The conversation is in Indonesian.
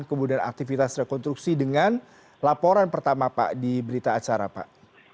kemudian aktivitas rekonstruksi dengan laporan pertama pak di berita acara pak